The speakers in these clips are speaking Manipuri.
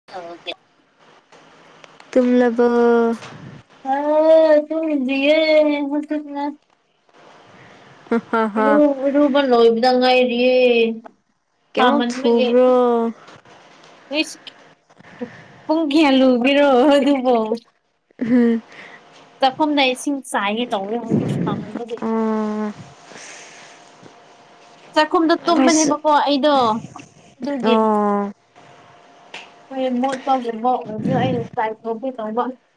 [unintelligible] ꯇꯜꯂꯕ ꯑ ꯇꯨꯡꯗꯤꯌꯦ ꯍꯧꯅ ꯔꯨ ꯏꯔꯨꯕ ꯂꯣꯏꯕꯗ ꯉꯥꯏꯔꯤꯌꯦ ꯀꯦꯃꯣꯛ ꯊꯨꯕ꯭ꯔꯣ ꯏꯁꯩ ꯄꯨꯡ ꯀꯌꯥ ꯂꯨꯕꯤꯔꯣ ꯑꯗꯨꯕꯨꯣ ꯎꯝ ꯆꯥꯛꯐꯝꯅ ꯏꯁꯤꯡ ꯆꯥꯏꯌꯦꯦ ꯇꯧꯋꯦ ꯍꯧꯖꯤꯛ ꯀꯥꯃꯟꯕꯗꯒꯤꯗꯒꯤ ꯑꯣ ꯆꯥꯛꯈꯨꯝꯗꯣ ꯑꯩꯈꯣꯏꯁꯨ ꯇꯨꯝꯕꯅꯦꯕꯀꯣ ꯑꯩꯗꯣ ꯑꯗꯨꯒꯤ ꯑꯣ [unintelligible]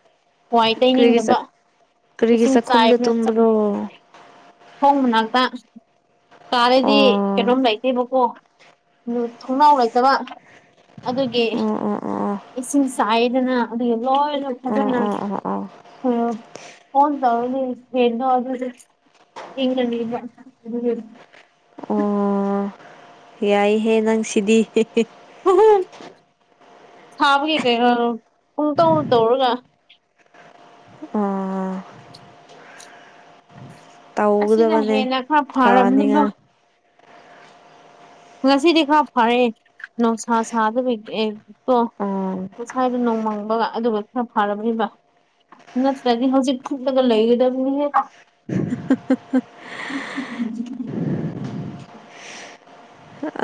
ꯋꯥꯋꯥꯏ ꯀꯔꯤꯒꯤ ꯇꯩꯅꯤꯡꯗꯕ ꯆꯥꯛ ꯀꯔꯤꯒꯤ ꯏꯁꯤꯡ ꯆꯥꯛꯈꯨꯝꯗ ꯆꯥꯏꯕꯅ ꯆꯞꯩ ꯇꯨꯝꯕ꯭ꯔꯣ ꯊꯣꯡ ꯃꯅꯥꯛꯇ ꯇꯥꯔꯦꯗꯤ ꯑꯣ ꯀꯩꯅꯣꯝ ꯂꯩꯇꯦꯕ ꯑꯣ ꯊꯣꯡꯅꯥꯎ ꯂꯩꯇꯕ ꯑꯗꯨꯒꯤ ꯑꯣ ꯑꯣ ꯑꯣ ꯑꯣ ꯏꯁꯤꯡ ꯆꯥꯏꯗꯅ ꯑꯗꯨꯒ ꯂꯣꯏꯅ ꯐꯗꯅ ꯑꯣ ꯑꯣ ꯑꯣ ꯎ ꯐꯣꯟ ꯇꯧꯔꯅꯤ ꯌꯦꯅꯗ ꯏꯅꯤ ꯑꯣ ꯌꯥꯏꯍꯦ ꯅꯪ ꯁꯤꯗꯤ ꯎ ꯁꯥꯕꯒꯤ ꯀꯩꯅꯔꯣ ꯄꯨꯡ ꯇꯧ ꯇꯧꯔꯒ ꯎ [unintelligible] ꯑꯁꯤꯅ ꯇꯧꯒꯗꯕꯅꯦ ꯍꯦꯟꯅ ꯈꯔ ꯐꯔꯕꯅꯤꯕ ꯐꯅꯤꯉꯥꯏ ꯉꯁꯤꯗꯤ ꯈꯔ ꯐꯔꯦ ꯅꯨꯡꯁꯥ ꯁꯥꯗꯕ ꯑꯦ ꯀꯣ ꯑꯣ ꯉꯁꯥꯏꯗꯣ ꯅꯣꯡꯃꯪꯕꯒ ꯑꯗꯨꯒ ꯈꯔ ꯐꯥꯔꯕꯝꯃꯤꯕ ꯅꯠꯇ꯭ꯔꯗꯤ ꯍꯧꯖꯤꯛ ꯊꯤꯠꯂꯒ ꯂꯩꯒꯗꯕꯅꯤꯍꯦ [inaudible]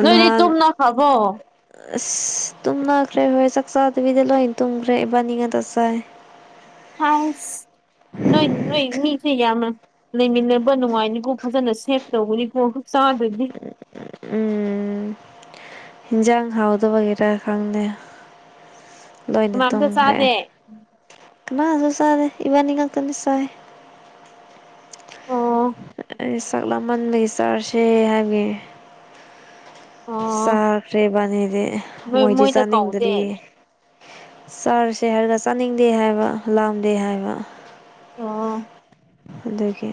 ꯅꯣꯏꯗꯤ ꯅꯍꯥꯟ ꯇꯨꯝꯅꯈꯕ ꯑꯁ ꯑ ꯇꯨꯝꯅꯈ꯭ꯔꯦ ꯍꯣꯏ ꯆꯥꯛꯆꯥꯗꯨꯕꯤꯗ ꯂꯣꯏ ꯇꯨꯝꯈ꯭ꯔꯦ ꯏꯕꯥꯅꯤ ꯉꯥꯛꯇ ꯆꯥꯏ ꯍ ꯅꯣꯏ ꯅꯣꯏ ꯃꯤ ꯊꯃ ꯂꯩꯃꯤꯟꯅꯕ ꯅꯨꯡꯉꯥꯏꯅꯤꯀꯣ ꯐꯖꯅ ꯁꯦꯞ ꯇꯧꯕꯅꯤꯀꯣ ꯆꯥꯗꯣꯏꯗꯤ ꯎꯝ ꯏꯟꯖꯥꯡ ꯍꯥꯎꯗꯕꯒꯤꯔꯥ ꯈꯪꯗꯦ ꯂꯣꯏꯅ ꯀꯅꯥꯝꯇ ꯇꯨꯝꯈ꯭ꯔꯦ ꯆꯥꯗꯦ ꯀꯅꯥꯁꯨꯁꯗꯦ ꯏꯕꯅꯤꯉ ꯀꯅꯤꯁꯥꯏ ꯑꯣ ꯑꯩ ꯆꯥꯛ ꯂꯃꯟꯕꯒꯤ ꯆꯥꯔꯁꯦ ꯍꯥꯏꯒꯤ ꯑꯣ ꯆꯥꯈ꯭ꯔꯦꯕꯥꯅꯤꯗꯤ ꯅꯣꯏ ꯃꯣꯏꯗꯤ ꯃꯣꯏꯗ ꯀꯧꯗꯦ ꯆꯥꯅꯤꯡꯗ꯭ꯔꯤꯌꯦ ꯆꯥꯔꯁꯦ ꯍꯥꯏꯔꯒ ꯆꯥꯅꯤꯡꯗꯦ ꯍꯥꯏꯕ ꯂꯥꯝꯗꯦ ꯍꯥꯏꯕ ꯑꯣ ꯑꯗꯒꯤ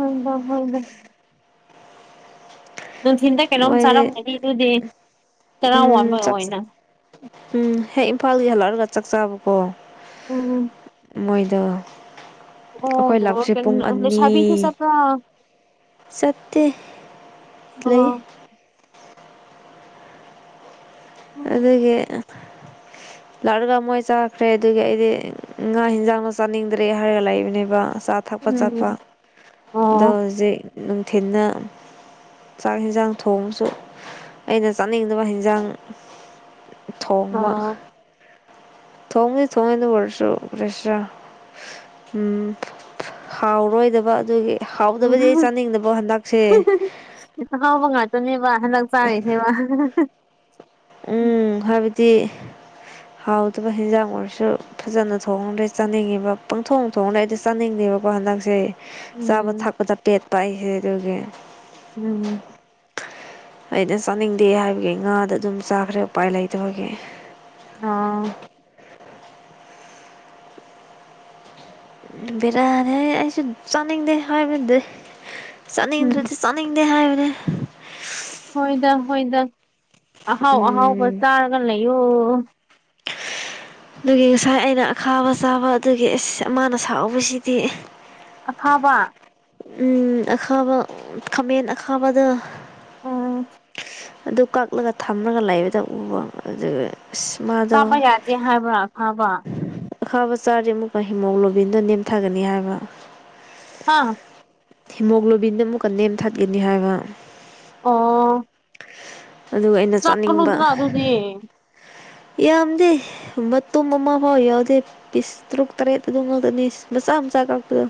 ꯍꯣꯏꯗ ꯍꯣꯏꯗ ꯅꯨꯡꯊꯤꯟꯗ ꯀꯩꯅꯣꯝ ꯃꯣꯏꯗꯤ ꯆꯥꯔꯝꯒꯅꯤ ꯑꯗꯨꯗꯤ ꯇꯔꯥ ꯋꯥꯕ ꯎꯝ ꯆꯥꯛ ꯑꯣꯏꯅ ꯎꯝ ꯍꯦꯛ ꯏꯝꯐꯥꯜꯒꯤ ꯍꯜꯂꯛꯑꯒ ꯆꯥꯛ ꯆꯥꯕꯀꯣ ꯎꯝ ꯎꯝ ꯃꯣꯏꯗꯣ ꯑꯩꯈꯣꯏ ꯑꯣ ꯂꯥꯛꯁꯦ ꯄꯨꯡ ꯀꯩꯅꯣ ꯑꯅꯤ ꯂꯩꯁꯥꯕꯤꯁꯨ ꯆꯠꯄ꯭ꯔꯥ ꯆꯠꯇꯦ ꯑꯣ ꯂꯩ ꯎꯝ ꯑꯗꯨꯒꯤ ꯂꯥꯛꯔꯒ ꯃꯣꯏ ꯆꯥꯈ꯭ꯔꯦ ꯑꯗꯨꯒꯤ ꯑꯩꯗꯤ ꯉꯥ ꯍꯤꯟꯖꯥꯡꯅꯣ ꯆꯥꯅꯤꯡꯗ꯭ꯔꯦ ꯍꯥꯏꯔꯒ ꯂꯩꯕꯅꯦꯕ ꯑ ꯆꯥ ꯊꯛꯄ ꯆꯠꯄ ꯑꯗꯣ ꯑꯣ ꯍꯧꯖꯤꯛ ꯅꯨꯡꯊꯤꯅ ꯆꯥꯛ ꯌꯦꯟꯖꯥꯡ ꯊꯣꯡꯕꯁꯨ ꯑꯩꯅ ꯆꯥꯅꯤꯡꯗꯕ ꯍꯟꯖꯥꯡ ꯊꯣꯡꯃ ꯑꯣ ꯊꯣꯡꯉꯤ ꯊꯣꯡꯉꯤꯅ ꯄꯨꯔꯁꯨ ꯄꯦꯁ ꯎꯝ ꯍꯥꯎꯔꯣꯏꯗꯕ ꯑꯗꯨꯒꯤ ꯍꯥꯎꯗꯕꯗꯤ ꯑꯩ ꯆꯥꯅꯤꯡꯗꯕ ꯍꯟꯗꯛꯁꯦ ꯥꯑ ꯍꯥꯎꯕ ꯉꯥꯛꯇꯅꯦꯕ ꯍꯟꯗꯛ ꯆꯥꯔꯤꯁꯦꯕ ꯎꯝ ꯍꯥꯏꯕꯗꯤ ꯍꯥꯎꯗꯕ ꯍꯤꯟꯖꯥꯡ ꯑꯣꯏꯔꯁꯨ ꯐꯖꯅ ꯊꯣꯡꯉꯗꯦ ꯆꯥꯅꯤꯡꯉꯤꯕ ꯄꯪꯊꯣꯡ ꯊꯣꯡꯅ ꯑꯩꯗꯤ ꯆꯥꯅꯤꯡꯗꯦꯕꯀꯣ ꯍꯟꯗꯛꯁꯦ ꯆꯥꯕ ꯎꯝ ꯊꯛꯄꯗ ꯄꯦꯠꯄ ꯑꯩꯁꯦ ꯑꯗꯨꯒꯤ ꯎꯝ ꯑꯩꯅ ꯆꯥꯅꯤꯡꯗꯦ ꯍꯥꯏꯕꯒꯤ ꯉꯥꯗ ꯑꯗꯨꯝ ꯆꯥꯈ꯭ꯔꯦ ꯎꯄꯥꯏ ꯂꯩꯇꯕꯒꯤ ꯑꯣ ꯕꯦꯔꯥꯅꯤ ꯑꯩꯁꯨ ꯆꯥꯅꯤꯡꯗꯦ ꯍꯥꯏꯕꯗꯤ ꯎꯝ ꯆꯥꯅꯤꯡꯗ꯭ꯔꯗꯤ ꯅꯤꯡꯗꯦ ꯍꯥꯏꯕꯅꯦ ꯍꯣꯏꯗ ꯍꯣꯏꯗ ꯑꯍꯥꯎ ꯑꯍꯥꯎꯕ ꯎꯝ ꯆꯥꯔꯒ ꯂꯩꯌꯣ ꯑꯗꯨꯒꯤ ꯉꯁꯥꯏ ꯑꯩꯅ ꯑꯈꯥꯕ ꯆꯥꯕ ꯑꯗꯨꯒꯤ ꯑꯃꯅ ꯁꯥꯎꯕꯁꯤꯗꯤ ꯑꯈꯥ ꯕ ꯎꯝ ꯑꯈꯥꯕ ꯈꯥꯃꯦꯟ ꯑꯈꯥꯕꯗꯣ ꯎꯝ ꯑꯗꯨ ꯀꯛꯂꯒ ꯊꯝꯂꯒ ꯂꯩꯕꯗ ꯎꯕ ꯑꯗꯨꯒ ꯑꯁꯃ ꯆꯃ ꯌꯥꯗꯦ ꯍꯥꯏꯕ ꯍꯥꯥꯕ ꯑꯈꯥꯕ ꯆꯥꯔꯗꯤꯦ ꯑꯃꯨꯛꯀ ꯍꯤꯃꯣꯒ꯭ꯂꯣꯕꯤꯟꯗ ꯅꯦꯝꯊꯒꯅꯤ ꯍꯥꯏꯕ ꯍꯥ ꯍꯤꯃꯣꯒ꯭ꯂꯣꯕꯤꯟꯗ ꯑꯃꯨꯛꯀꯟꯅ ꯅꯦꯝ ꯊꯠꯀꯅꯤ ꯍꯥꯏꯕ ꯑꯣ ꯑꯗꯨꯒ ꯑꯩꯅ ꯆꯥꯅꯤꯡꯕ ꯆꯪꯒꯅꯨꯗꯅ ꯑꯗꯨꯗꯤ ꯌꯥꯝꯗꯦ ꯃꯇꯨꯝ ꯑꯃ ꯐꯥꯎ ꯌꯥꯎꯗꯦ ꯄꯤꯁ ꯇꯔꯨꯛ ꯇꯔꯦꯠ ꯑꯗꯨ ꯉꯥꯛꯛꯇꯅꯤ ꯃꯆꯥ ꯃꯆꯥ ꯀꯛꯄꯗꯣ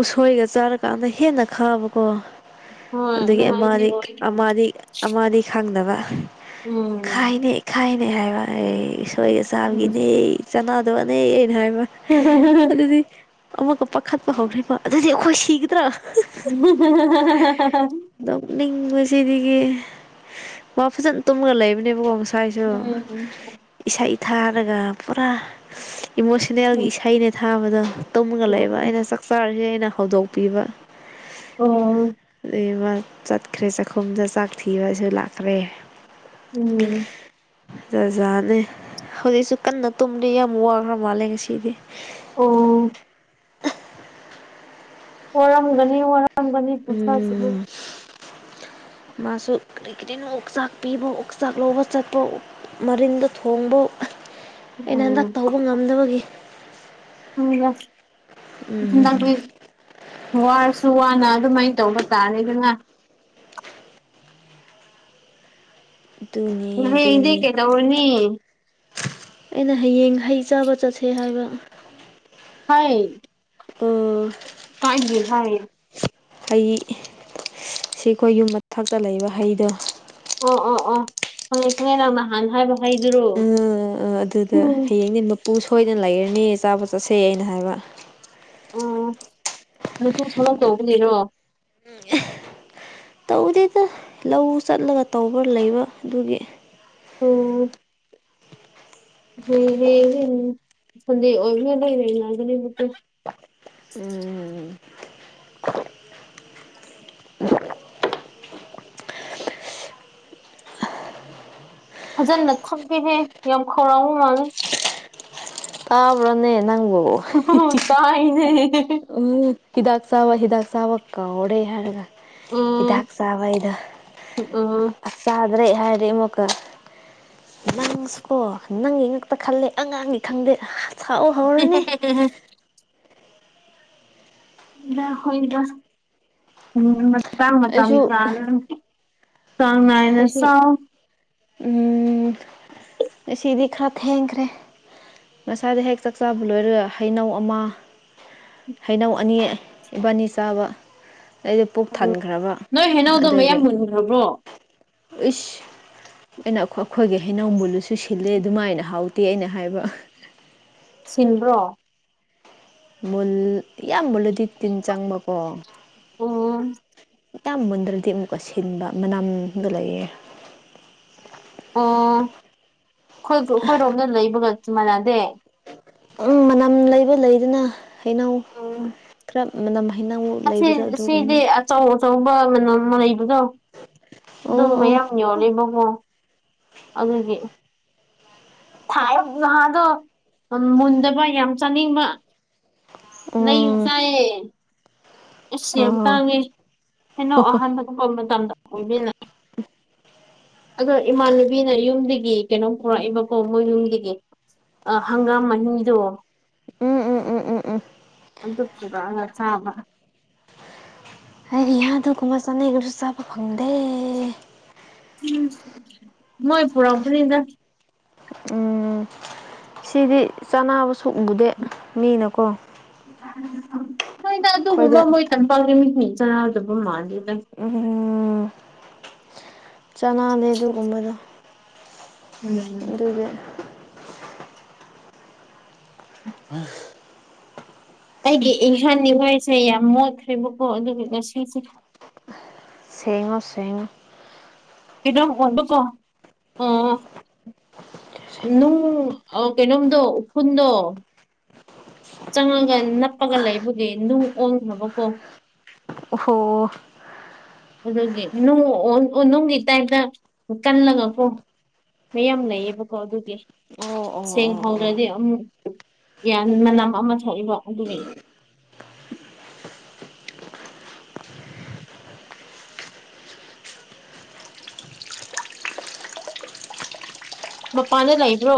ꯎꯁꯣꯏꯒ ꯆꯥꯔ ꯀꯥꯟꯗ ꯍꯦꯟꯅ ꯈꯥꯕꯀꯣ ꯍꯣꯏ ꯑꯗꯒꯤ ꯑꯗꯨꯃꯥꯏꯅꯗꯤ ꯑꯥꯃꯗꯤ ꯑꯣꯏ ꯍꯣꯏ ꯑꯥꯃꯗꯤ ꯑꯃꯗꯤ ꯈꯪꯗꯕ ꯈꯥꯏꯅꯦ ꯈꯥꯏꯅꯦ ꯍꯥꯏꯕ ꯑꯩ ꯑꯩꯣꯏ ꯎꯝ ꯑꯁꯥꯒꯤꯅꯦ ꯆꯅꯗꯕꯅꯦ ꯑꯩꯅ ꯍꯥꯏꯕ [unintelligible] ꯑꯗꯨꯗꯤ ꯑꯃꯒ ꯄꯥꯈꯠꯄ ꯍꯧꯔꯤꯕ ꯑꯗꯨꯗꯤ ꯑꯩꯈꯣꯏ ꯁꯤꯒꯗ꯭ꯔꯥ [unintelligible] ꯅꯣꯛ ꯅꯤꯡꯕꯁꯤꯗꯤꯒꯤ ꯃꯥ ꯐꯖꯅ ꯇꯨꯝꯃꯒ ꯂꯩꯕꯅꯦꯕꯀꯣ ꯃ ꯁ꯭ꯋꯥꯏꯁꯨ ꯏꯁꯩꯥ ꯏꯊꯥꯔꯒ ꯄꯨꯔꯥ ꯏꯃꯣꯁꯟ ꯐꯅꯦꯜꯒꯤ ꯏꯁꯩꯅꯦ ꯊꯥꯕꯗꯣ ꯇꯨꯝꯒ ꯂꯩꯕ ꯑꯩꯅ ꯆꯥꯛꯆꯥꯥꯔꯖꯦꯅ ꯑꯩꯅ ꯍꯧꯗꯣꯛꯄꯤꯕ ꯑꯣ ꯑꯗꯩꯕ ꯆꯠꯈ꯭ꯔꯦ ꯆꯥꯛꯈꯨꯝꯗ ꯆꯥꯛ ꯊꯤꯕꯁꯤꯗ ꯂꯥꯛꯈ꯭ꯔꯦ ꯎꯝ ꯖꯥꯖꯥꯠꯅꯦ ꯍꯧꯖꯤꯛꯁꯨ ꯀꯟꯅ ꯇꯨꯝꯗꯤ ꯌꯥꯝ ꯋꯥꯈ꯭ꯔ ꯃꯥꯜꯂꯦ ꯉꯁꯤꯗꯤ ꯑꯣ ꯋꯔꯝꯒꯅꯤ ꯋꯥꯔꯝꯒꯅꯤ ꯄꯨꯊꯁꯤ ꯎꯝ ꯃꯥꯁꯨ ꯀꯔꯤ ꯀꯔꯤꯅꯣ ꯑꯣꯛꯆꯥꯛ ꯄꯤꯕ ꯑꯣꯛꯆꯥꯛ ꯂꯧꯕ ꯆꯠꯄ ꯃꯔꯤꯟꯗ ꯊꯣꯡꯕ ꯑꯩꯅ ꯍꯟꯗꯛ ꯎꯝ ꯇꯧꯕ ꯉꯝꯗꯕꯒꯤ ꯎ ꯅ ꯎꯝ ꯋꯥꯔꯁꯨ ꯋꯥꯅ ꯑꯗꯨꯃꯥꯏꯅ ꯇꯧꯕ ꯇꯥꯔꯦꯗꯅ ꯑꯗꯨꯅꯦ ꯍꯌꯦꯡꯗꯤ ꯀꯩꯗꯧꯔꯨꯅꯤ ꯑꯩꯅ ꯍꯌꯦꯡ ꯍꯩ ꯆꯥꯕ ꯆꯠꯁꯦ ꯍꯥꯏꯕ ꯍ ꯑꯝ ꯀꯥꯏ ꯍꯥꯏ ꯍꯩ ꯁꯤ ꯑꯩꯈꯣꯏ ꯌꯨꯝ ꯃꯊꯛꯇ ꯂꯩꯕ ꯍꯩꯗꯣ ꯑꯣ ꯑꯣ ꯑꯣ ꯈꯪꯉꯦ ꯈꯪꯉꯦ ꯅ ꯅꯍꯥꯟꯅ ꯍꯥꯏꯕ ꯍꯩꯗꯨꯔꯣ ꯎꯝ ꯎꯝ ꯑꯗꯨꯗ ꯎꯝ ꯍꯌꯦꯡꯗꯤ ꯃꯄꯨ ꯁꯣꯏꯗꯅ ꯂꯩꯔꯅꯦ ꯆꯥꯕ ꯆꯠꯁꯩ ꯑꯩꯅ ꯍꯥꯏꯕ ꯑꯣ ꯅꯇ ꯊꯗꯛ ꯇꯧꯕꯅꯤꯔꯣ ꯎꯝ ꯇꯧꯗꯦꯗ ꯂꯧ ꯆꯠꯂꯒ ꯇꯧꯕ ꯂꯩꯕ ꯑꯗꯨꯒꯤ ꯑꯣ ꯍ ꯍ ꯁꯟꯗꯦ ꯑꯣꯏꯕꯤ ꯂꯩ ꯂꯩ ꯂꯩꯒꯅꯤꯕꯀꯣ ꯎꯝ ꯐꯖꯅ ꯊꯛꯀꯦꯍꯦ ꯌꯥꯝ ꯈꯧꯔꯥꯎꯕ ꯃꯥꯥꯡꯂꯦ ꯇꯥꯕ꯭ꯔꯅ ꯅꯪꯕꯨ ꯇꯥꯏꯅꯦ ꯎ ꯍꯤꯗꯒ ꯁꯕ ꯍꯗꯥꯛ ꯁꯕ ꯀꯧꯔꯦ ꯍꯥꯏꯒ ꯍꯤꯗꯥꯛ ꯎꯝ ꯆꯕꯩꯗ ꯎꯝ ꯑ ꯆꯗ꯭ꯔꯦ ꯍꯥꯏꯗꯤ ꯏꯃꯨꯀ ꯅꯪꯁꯨꯀꯣ ꯅꯪꯒꯤ ꯉꯛꯇ ꯈꯜꯂꯦ ꯑꯉꯥꯡꯅꯤ ꯈꯪꯗꯦ ꯁꯥꯎ ꯍꯧꯔꯅꯤ [unintelligible] ꯏꯗ ꯍꯣꯏꯗ ꯎꯝ ꯃ ꯃꯇꯥꯡ ꯃꯇꯝ ꯑꯩꯁꯨ ꯀꯥꯜꯂꯒ ꯆꯥꯡ ꯅꯥꯏꯅ ꯆꯥꯎ ꯎ ꯑꯁꯤꯗꯤ ꯈꯔ ꯊꯦꯡꯈ꯭ꯔꯦ ꯃꯁꯥꯗ ꯍꯦꯛ ꯆꯥꯛꯆꯥꯥꯕ ꯂꯣꯏꯔꯒ ꯍꯩꯅꯧ ꯑꯃ ꯍꯩꯅꯧ ꯑꯅꯤ ꯏꯕꯥꯅꯤ ꯆꯥꯕ ꯑꯗꯗ ꯄꯨꯛ ꯊꯥꯟꯈ꯭ꯔꯕ ꯑꯗꯨꯒꯤ ꯌꯥꯕ꯭ꯔꯣ ꯏꯁꯁ ꯑꯩꯅ ꯑꯩꯈꯣꯏꯒꯤ ꯍꯩꯅꯧꯕꯨꯜꯂꯨꯁꯨ ꯁꯤꯜꯂꯦ ꯑꯗꯨꯃꯥꯏꯅ ꯍꯥꯎ ꯇꯤ ꯑꯩꯅ ꯍꯥꯏꯕ ꯁꯤꯟꯕ꯭ꯔꯣ ꯃꯨꯜ ꯏꯌꯥꯝ ꯃꯨꯜꯂꯨꯗꯤ ꯇꯤꯟ ꯆꯪꯕꯀꯣ ꯑꯣ ꯏ ꯃꯨꯟꯗ꯭ꯔꯗꯤ ꯑꯃꯨꯛꯀ ꯑꯁꯤꯟꯕ ꯃꯅꯝꯗ ꯂꯩꯌꯦꯦ ꯑꯣ ꯑꯩꯈꯣꯏ ꯑꯩꯈꯣꯏꯔꯣꯝꯗ ꯂꯩꯕꯒ ꯆꯨꯝ ꯃꯥꯟꯅꯗꯦ ꯎꯝ ꯃꯅꯝ ꯂꯩꯕ ꯂꯩꯗꯅ ꯍꯩꯅꯎ ꯎꯝ ꯈꯔ ꯃꯅꯝ ꯍꯩꯩꯅꯎ ꯂꯩꯕꯗ ꯑꯁꯤ ꯑꯗꯨꯒꯨꯝꯅ ꯁꯤꯗꯤ ꯑꯆꯧ ꯑꯆꯧꯕ ꯃ ꯃ ꯑꯗꯣ ꯑꯣ ꯑꯗꯨ ꯑꯣ ꯃꯌꯥꯝ ꯌꯣꯜꯂꯤꯕꯀꯣ ꯑꯗꯨꯒꯤ ꯊꯥꯏ ꯑ ꯅꯍꯥꯗꯣ ꯃꯨꯟꯗꯕ ꯌꯥꯝ ꯆꯥꯅꯤꯡꯕ ꯅꯩ ꯎꯝ ꯆꯥꯏꯌꯦ ꯑꯁ ꯌꯥꯝ ꯑꯣ ꯇꯥꯡꯉꯦ ꯀꯩꯅꯣ ꯑꯍꯥꯟꯕ ꯊꯣꯛꯄ ꯃꯇꯝꯗ ꯑꯣꯏꯕꯤꯅ ꯑꯗꯣ ꯏꯃꯥꯟꯅꯨꯕꯤꯅ ꯌꯨꯝꯗꯒꯤ ꯀꯩꯅꯣꯝ ꯄꯨꯔꯛꯏꯕꯀꯣ ꯃꯣꯏ ꯌꯨꯝꯒꯤꯗꯤ ꯍꯪꯒꯥꯝ ꯃꯍꯤꯗꯣ ꯎꯝ ꯎꯝ ꯎꯝ ꯎꯝ ꯎꯝ ꯄꯨꯗ ꯆꯃ ꯍꯩꯍꯥ ꯑꯗꯨꯒꯨꯝꯕꯥ ꯆꯥꯅꯤꯡꯉꯁꯨ ꯆꯥꯕꯥ ꯐꯪꯗꯦ ꯎꯝ ꯃꯣꯏ ꯄꯨꯔꯛꯄꯅꯤꯗ ꯎꯝ ꯁꯤꯗꯤ ꯆꯅꯕꯁꯨ ꯎꯕꯨꯗꯦ ꯃꯤꯅꯀꯣ ꯍꯣꯏꯗ ꯑꯗꯨ ꯎꯃ ꯑꯩꯈꯣꯏꯗ ꯃꯣꯏ ꯇꯝꯄꯥꯛꯃꯤ ꯆꯅꯥ ꯑꯗꯨꯕꯝ ꯃꯥꯅ ꯎꯝ ꯆꯅꯂꯦ ꯑꯗꯨꯒꯨꯝꯕꯗꯣ ꯎꯝ [unintelligible] [unintelligible] ꯑꯩꯒꯤ ꯏꯟꯍꯥꯟ ꯋꯥꯏꯁꯦ ꯌꯥꯝ ꯃꯣꯠꯈ꯭ꯔꯦꯕꯀꯣ ꯑꯗꯨꯒ ꯉꯁꯤꯁꯦ ꯁꯦꯡꯉꯣ ꯁꯦꯡꯉꯣ ꯏꯗꯝ ꯑꯣꯜꯕꯀꯣ ꯎꯝ ꯅꯨꯡ ꯀꯩꯅꯣꯝꯗꯣ ꯎꯈꯨꯟꯗꯣ ꯆꯪꯉꯒ ꯅꯞꯄꯒ ꯂꯩꯕꯒꯤ ꯅꯨꯡ ꯑꯣꯟꯈ꯭ꯔꯕꯀꯣ ꯑꯣ ꯍꯣ ꯑꯗꯨꯒꯤ ꯅꯨꯡꯒꯤ ꯇꯥꯏꯞꯇ ꯀꯜꯂꯒꯀꯣ ꯃꯌꯥꯝ ꯂꯩꯌꯦꯕꯀꯣ ꯑꯗꯨꯒꯤ ꯑꯣ ꯑꯣ ꯁꯦꯡ ꯑꯣ ꯑꯣ ꯍꯧꯗ꯭ꯔꯗꯤ ꯑꯗꯨꯝ ꯒ꯭ꯌꯥꯟ ꯃꯅꯝ ꯑꯃ ꯊꯣꯛꯏꯕꯣ ꯑꯗꯨꯅꯤ ꯃꯄꯥꯟꯗ ꯂꯩꯕ꯭ꯔꯣ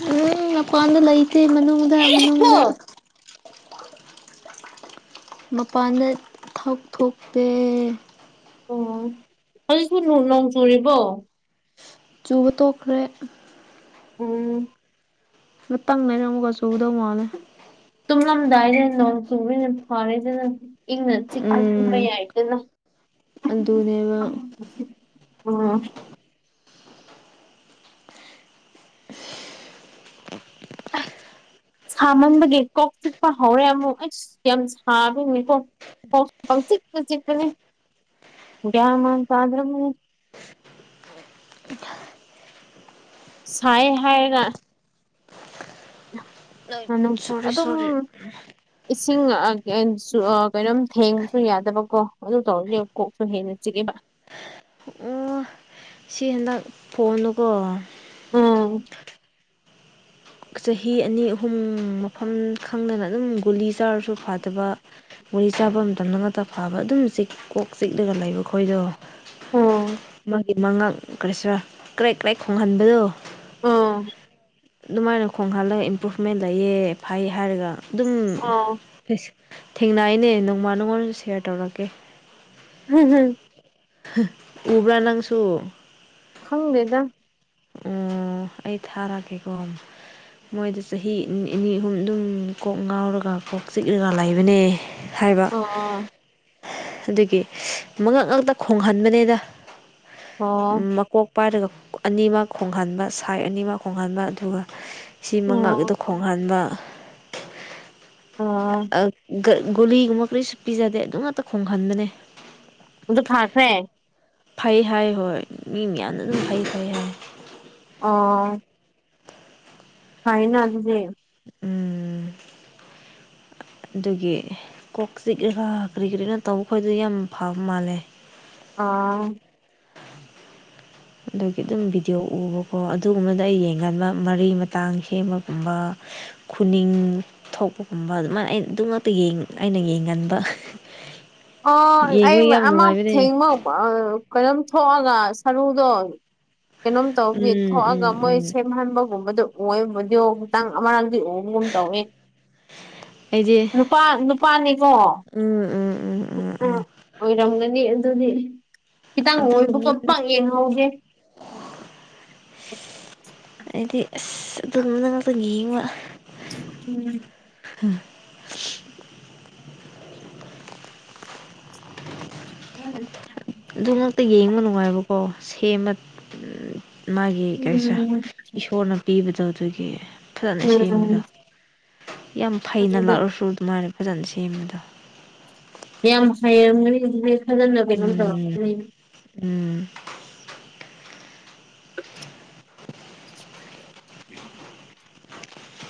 ꯎꯝ ꯃꯄꯥꯟꯗ ꯂꯩꯇꯦ ꯃꯅꯨꯡꯗ ꯃꯅꯨꯡꯗ ꯃꯄꯥꯟꯗ ꯊꯥꯎ ꯊꯣꯛꯇꯦ ꯑꯣ ꯍꯧꯖꯤꯛꯁꯨ ꯅꯣꯡ ꯆꯨꯔꯤꯕꯣ ꯆꯨꯕ ꯇꯣꯛꯈ꯭ꯔꯦ ꯎꯝ ꯉꯠꯇꯪ ꯂꯩꯔꯒ ꯑꯃꯨꯒ ꯆꯨꯗꯧ ꯃꯥꯜꯂꯦ ꯇꯨꯝꯂꯝꯗꯥꯏꯗ ꯅꯣꯡ ꯆꯨꯔꯤꯅ ꯐꯥꯔꯦꯗꯅ ꯏꯪꯅ ꯆꯤꯛ ꯑꯊꯨꯝꯕ ꯎꯝ ꯌꯥꯏꯗꯅ ꯑꯗꯨꯅꯦꯕ ꯑꯣ ꯁꯥꯃꯟꯕꯒꯤ ꯀꯣꯛ ꯆꯤꯛꯄ ꯍꯧꯔꯦ ꯑꯃꯨꯛ ꯑꯩꯁ ꯌꯥꯝ ꯁꯥꯗꯣꯔꯤꯀꯣ ꯀꯣꯛ ꯄꯪꯆꯤꯛꯇ ꯆꯤꯛꯄꯅꯤ ꯒꯤꯌꯥꯜ ꯃꯥꯜ ꯇꯗ꯭ꯔꯝꯅꯤ ꯁꯥꯏꯌꯦ ꯍꯥꯏꯔꯒ ꯅꯨꯡꯇꯤ ꯁꯨꯔꯤ ꯑꯗꯨꯝ ꯁꯨꯔꯤ ꯏꯁꯤꯡ ꯀꯩꯅꯣꯝ ꯊꯦꯡꯕꯁꯨ ꯌꯥꯗꯕꯀꯣ ꯑꯗꯨ ꯇꯧꯔꯗꯤ ꯀꯣꯛꯁꯨ ꯍꯦꯟꯅ ꯆꯤꯛꯑꯦꯕ ꯑꯣ ꯁꯤ ꯍꯟꯗꯛ ꯐꯣꯟꯗꯨꯨꯀꯣ ꯎꯝ ꯆꯍꯤ ꯑꯅꯤ ꯑꯍꯨꯝ ꯃꯐꯝ ꯈꯪꯗꯅ ꯑꯗꯨꯝ ꯒꯨꯂꯤ ꯆꯥꯔꯁꯨ ꯐꯗꯕ ꯃꯣꯏ ꯆꯥꯕ ꯃꯇꯝꯗ ꯉꯥꯛꯇ ꯐꯥꯕ ꯑꯗꯨꯝ ꯀꯣꯛ ꯆꯤꯛꯂꯒ ꯂꯩꯕ ꯑꯩꯈꯣꯏꯗꯣ ꯎꯝ ꯃꯥꯒꯤ ꯃꯉꯛ ꯀꯔꯤꯁꯤꯔ ꯀ꯭ꯔꯦꯛ ꯀ꯭ꯔꯦꯛ ꯈꯣꯡꯍꯟꯕꯗꯨꯣ ꯑ ꯑꯗꯨꯃꯥꯏꯅ ꯈꯣꯡ ꯍꯥꯜꯂꯒ ꯏꯝꯄ꯭ꯔꯨꯚꯃꯦꯟ ꯂꯩꯌꯦ ꯐꯩ ꯍꯥꯏꯔꯒ ꯑꯗꯨꯝ ꯑꯣ ꯏꯁ ꯊꯦꯡꯅꯩꯅꯦ ꯅꯣꯡꯃ ꯅꯣꯡꯉꯣꯟꯗꯁꯨ ꯁꯦꯌꯔ ꯇꯧꯔꯛꯀꯦ ꯍꯝ ꯍꯝ ꯎꯕ꯭ꯔꯥ ꯅꯪꯁꯨ ꯈꯪꯗꯦꯗ ꯑꯣ ꯑꯩ ꯊꯥꯔꯛꯒꯦꯀꯣ ꯃꯣꯏꯗ ꯆꯍꯤ ꯅꯤꯅꯤ ꯑꯍꯨꯝ ꯑꯗꯨꯝ ꯀꯣꯛ ꯉꯥꯎꯔꯒ ꯀꯣꯛ ꯆꯤꯛꯂꯒ ꯂꯩꯕꯅꯦ ꯍꯥꯏꯕ ꯑꯣ ꯑꯗꯨꯒꯤ ꯃꯉꯛ ꯉꯥꯛꯇ ꯈꯣꯡꯍꯟꯕꯅꯦꯗ ꯑꯣ ꯑꯣ ꯃꯀꯣꯛ ꯄꯥꯏꯔꯒ ꯑꯅꯤꯃꯛ ꯈꯣꯡꯍꯟꯕꯁ ꯁꯥꯏꯠ ꯑꯅꯤꯃꯛ ꯈꯣꯡꯍꯟꯕ ꯑꯗꯨꯒ ꯁꯤ ꯑꯣ ꯃꯉꯥꯗ ꯈꯣꯡꯍꯟꯕ ꯑꯣ ꯒꯨꯂꯤꯒꯨꯝꯕ ꯀꯔꯤꯁꯨ ꯄꯤꯖꯗꯦ ꯑꯗꯨ ꯉꯥꯛꯇ ꯈꯣꯡꯍꯟꯕꯅꯦ ꯃꯗ ꯐꯥꯈ꯭ꯔꯦ ꯐꯩ ꯍꯥꯏ ꯍꯣꯏ ꯃꯤ ꯃꯌꯥꯝꯅ ꯑꯗꯨꯝ ꯐꯩ ꯐꯩ ꯍꯥꯏ ꯑꯣ ꯐꯥꯏꯅ ꯑꯗꯨꯗꯤ ꯎꯝ [inaudible] ꯑꯗꯨꯒꯤ ꯀꯣꯛ ꯆꯤꯛꯂꯒꯥ ꯀꯔꯤ ꯀꯔꯤꯅꯣ ꯇꯧꯕ ꯈꯣꯏꯗꫭ ꯌꯥꯝ ꯐꯕ ꯃꯥꯜꯂꯦ ꯑꯥ ꯑꯗꯨꯒꯤ ꯑꯗꯨꯝ ꯚꯤꯗꯤꯑꯣ ꯎꯕꯀꯣ ꯑꯗꯨꯒꯨꯝꯕꯗ ꯑꯩ ꯌꯦꯡꯒꯟꯕ ꯃꯔꯤ ꯃꯇꯥꯡ ꯁꯦꯝꯕꯒꯨꯝꯕ ꯈꯨꯅꯤꯡ ꯊꯣꯛꯄꯒꯨꯝꯕ ꯑꯗꯨꯃꯥꯏꯅ ꯑꯗꯨꯃꯛꯇ ꯑꯩꯅ ꯌꯦꯡꯒꯟꯕ ꯑ ꯑꯩ ꯌꯦꯡꯕ ꯌꯥꯝ ꯑꯃ ꯅꯨꯡꯉꯥꯏꯕꯅꯦ ꯊꯦꯡꯃ ꯑ ꯀꯩꯅꯣꯝ ꯊꯣꯛꯑꯒ ꯁꯔꯨꯗꯣ ꯀꯩꯅꯣꯝ ꯇꯧꯕꯒꯤ ꯎꯝ ꯎꯝ ꯊꯣꯛꯑꯒ ꯃꯣꯏ ꯎꯝ ꯁꯦꯝꯍꯟꯕꯒꯨꯝꯕꯗꯣ ꯑꯣꯏꯕꯨꯗꫭ ꯇꯥꯡ ꯑꯃꯔꯥꯡꯗꯤ ꯎ ꯒꯨꯝ ꯇꯧꯏ ꯑꯩꯗꯤ ꯅꯨꯄꯥ ꯅꯨꯄꯥꯅꯤꯀꯣ ꯎꯝ ꯎꯝ ꯎꯝ ꯎꯝ ꯎꯝ ꯑꯣꯏꯔꯝꯒꯅꯤ ꯑꯗꯨꯗꯤ ꯈꯤꯇꯪ ꯑꯣꯏꯕ ꯈꫭꯠꯄꯥ ꯑꯗꯨꯒꯨꯝꯕꯗꯨꯅꯦ ꯄꯥꯛ ꯌꯦꯡꯍꯧꯗꯦ ꯍꯥꯏꯗꯤ ꯑꯁ ꯑꯗꯨꯝꯅ ꯉꯥꯛꯇꯪ ꯌꯦꯡꯕ ꯎꯝ ꯍꯥ [unintelligible] ꯑꯗꯨ ꯉꯥꯛꯇ ꯌꯦꯡꯕ ꯅꯨꯡꯉꯥꯏꯕꯀꯣ ꯁꯦꯝꯃ ꯃꯥꯒꯤ ꯀꯔꯤꯁꯦ ꯎꯝ ꯏꯁꯣꯔꯅ ꯄꯤꯕꯗꯣ ꯑꯗꯨꯒꯤ ꯐꯖꯅ ꯁꯦꯝꯕꯗꯣ ꯎꯝ ꯌꯥꯝ ꯐꯩꯅ ꯂꯥꯛꯂꯁꯨ ꯑꯗꯨꯃꯥꯏꯅ ꯐꯖꯅ ꯁꯦꯝꯕꯗꯣ ꯃꯌꯥꯝ ꯅꯨꯡꯁꯥ ꯌꯥꯏꯔꯝꯒꯅꯤ ꯑꯗꯨ ꯂꯦꯞꯐꯥꯟꯂꯒꯥ ꯀꯩꯅꯣꯃꯥ ꯎꯝ ꯇꯩꯔꫭ [unintelligible] ꯎꯝ [inaudible]